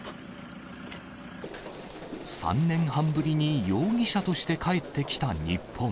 ３年半ぶりに容疑者として帰ってきた日本。